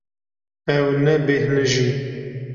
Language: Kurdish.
Ew nebêhnijî.